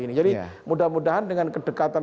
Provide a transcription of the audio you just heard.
ini jadi mudah mudahan dengan kedekatan